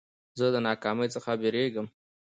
زه د ناکامۍ څخه بېرېږم.